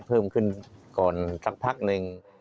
เพิ่มขึ้นก่อนสักพักหนึ่ง